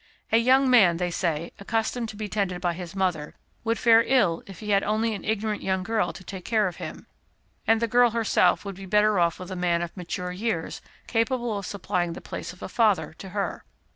A young man, they say, accustomed to be tended by his mother, would fare ill if he had only an ignorant young girl to take care of him; and the girl herself would be better off with a man of mature years, capable of supplying the place of a father to her.